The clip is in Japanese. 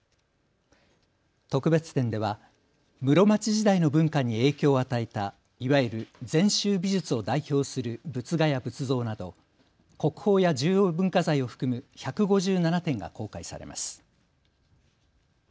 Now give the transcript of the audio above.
特別展では室町時代の文化に影響を与えたいわゆる禅宗美術を代表する仏画や仏像など国宝や重要文化財を含む１５７点が公開されます。